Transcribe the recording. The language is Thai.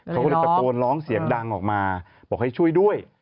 เขาก็เลยตะโกนร้องเสียงดังออกมาบอกให้ช่วยด้วย